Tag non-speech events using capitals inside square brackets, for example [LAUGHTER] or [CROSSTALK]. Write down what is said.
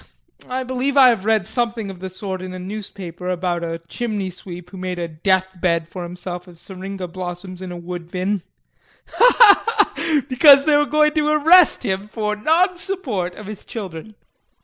I believe I read something of the sort in a newspaper about a chimney sweep who made a death bed for himself of syringa blossoms in a wood bin [LAUGHS] because they were going to arrest him for non support of his children.